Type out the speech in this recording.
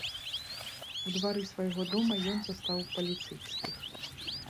У двары свайго дома ён застаў паліцэйскіх.